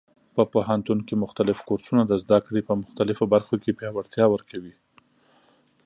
په پوهنتون کې مختلف کورسونه د زده کړې په مختلفو برخو کې پیاوړتیا ورکوي.